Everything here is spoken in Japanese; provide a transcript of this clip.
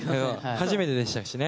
初めてでしたしね。